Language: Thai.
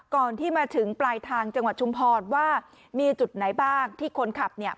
ก่อนที่มาถึงปลายทางจังหวัดชุมพรว่ามีจุดไหนบ้างที่คนขับเนี่ย